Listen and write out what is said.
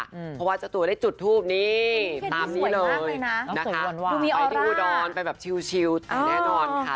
เพราะว่าเจ้าตัวได้จุดทูปนี่ตามนี้เลยนะคะไปที่อุดรไปแบบชิวแต่แน่นอนค่ะ